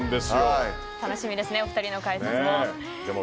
楽しみですねお二人の解説も。